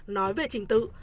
nói về trình tự